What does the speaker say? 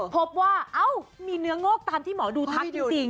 พบว่าเหรอมีเนื้องกตามที่หมอดูทักจริงจริง